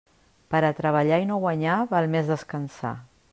Per a treballar i no guanyar, val més descansar.